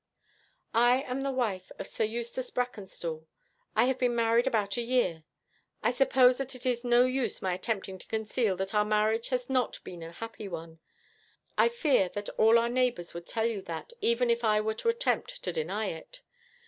'I am the wife of Sir Eustace Brackenstall. I have been married about a year. I suppose that it is no use my attempting to conceal that our marriage has not been a happy one. I fear that all our neighbours would tell you that, even if I were to attempt to deny it.